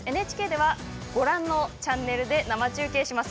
ＮＨＫでは、ご覧のチャンネルで生中継します。